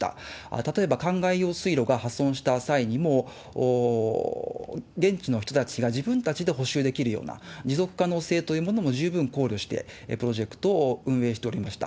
例えば、かんがい用水路が破損した際にも、現地の人たちが自分たちで補修できるような、持続可能性というものも十分考慮して、プロジェクトを運営しておりました。